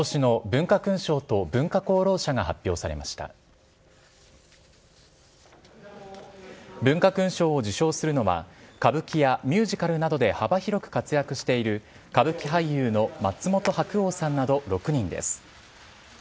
文化勲章を受章するのは歌舞伎やミュージカルなどで幅広く活躍している歌舞伎俳優の松本白鸚さんなど６人です。